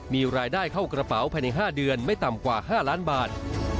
มีรายได้เข้ากระเป๋าภายใน๕เดือนไม่ต่ำกว่า๕ล้านบาท